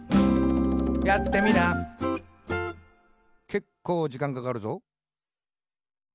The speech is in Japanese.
「けっこうじかんかかるぞ。」